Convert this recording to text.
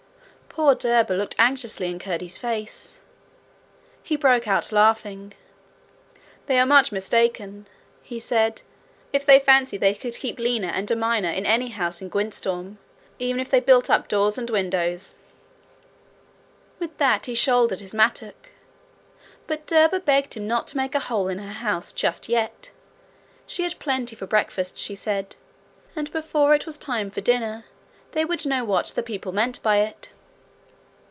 Poor Derba looked anxiously in Curdie's face. He broke out laughing. 'They are much mistaken,' he said, 'if they fancy they could keep Lina and a miner in any house in Gwyntystorm even if they built up doors and windows.' With that he shouldered his mattock. But Derba begged him not to make a hole in her house just yet. She had plenty for breakfast, she said, and before it was time for dinner they would know what the people meant by it.